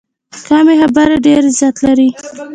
کمې خبرې، ډېر عزت لري.